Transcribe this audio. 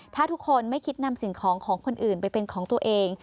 ถ้าทุกคนไม่คิดนำสิ่งของของคนอื่นไปเป็นของตัวเอง